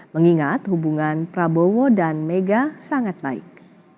mengingat hubungan prabowo dan mega sangat baik